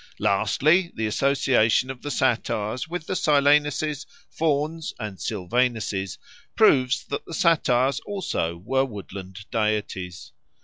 Lastly, the association of the Satyrs with the Silenuses, Fauns, and Silvanuses, proves that the Satyrs also were woodland deities.